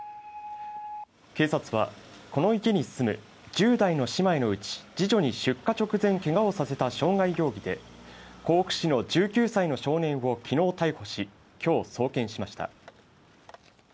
警察はこの家に住む１０代の姉妹のうち、次女に出火直前けがをさせた傷害容疑で甲府市の１９歳の少年を昨日逮捕し今日、送検しました。